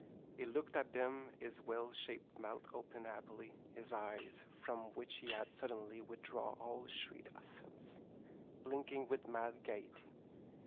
He looked at them, his wellshaped mouth open happily, his eyes, from which he had suddenly withdrawn all shrewd sense, blinking with mad gaiety.